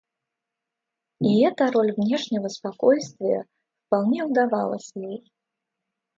И эта роль внешнего спокойствия вполне удавалась ей.